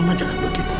mama jangan begitu